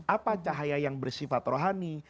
apa cahaya yang bersifat rohani